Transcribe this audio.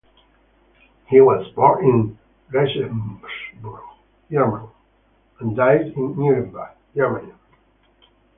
He was born in Regensburg, Germany and died in Nuremberg, Germany.